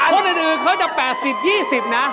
คนอื่นเขาจะ๘๐๒๐นะ